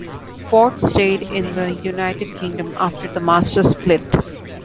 Ford stayed in the United Kingdom after the Masters split.